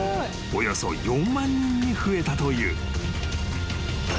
［およそ４万人に増えたという］